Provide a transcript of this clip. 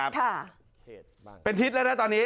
ค่ะเป็นทิศแล้วนะตอนนี้